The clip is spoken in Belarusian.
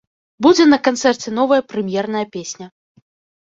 Будзе на канцэрце новая прэм'ерная песня.